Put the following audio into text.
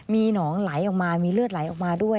มีหนองไหลออกมามีเลือดไหลออกมาด้วย